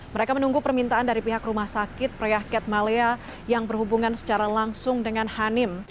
mereka menunggu permintaan dari pihak rumah sakit preah ketmalea yang berhubungan secara langsung dengan hanim